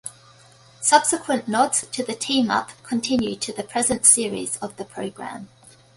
Subsequent nods to the team-up continue to the present series of the programme.